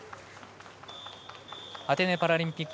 アテネパラリンピック